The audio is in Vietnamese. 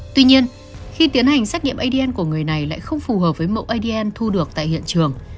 tuy nhiên khi tiến hành xét nghiệm adn của người này lại không phù hợp với mẫu adn thu được tại hiện trường